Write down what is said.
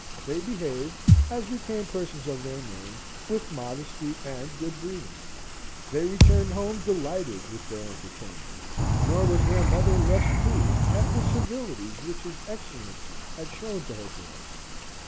They behaved, as became persons of their name, with modesty and good breeding; they returned home delighted with their entertainment, nor was their mother less pleased at the civilities which his Excellency had shown to her boys.